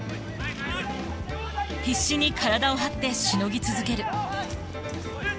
必死に体を張ってしのぎ続ける。